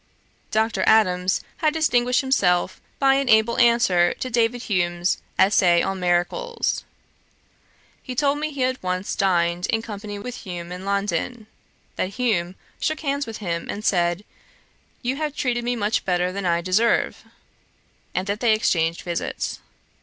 Dr. Adams had distinguished himself by an able answer to David Hume's Essay on Miracles. He told me he had once dined in company with Hume in London; that Hume shook hands with him, and said, 'You have treated me much better than I deserve;' and that they exchanged visits.